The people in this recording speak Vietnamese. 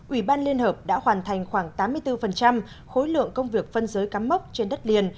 ủy ban liên hợp đã hoàn thành khoảng tám mươi bốn khối lượng công việc phân giới cắm mốc trên đất liền